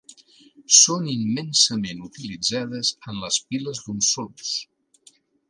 Són immensament utilitzades en les piles d'un sol ús.